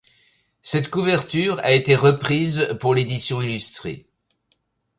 Cette couverture a été reprise pour l’édition illustrée.